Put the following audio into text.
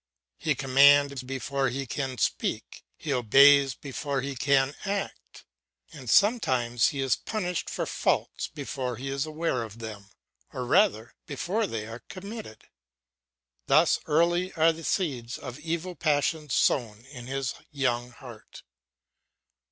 He commands before he can speak, he obeys before he can act, and sometimes he is punished for faults before he is aware of them, or rather before they are committed. Thus early are the seeds of evil passions sown in his young heart.